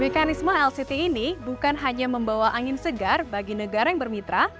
mekanisme lct ini bukan hanya membawa angin segar bagi negara yang bermitra